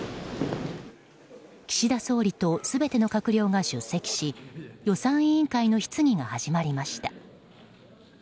岸田総理と全ての閣僚が出席し予算委員会の質疑が始まりました。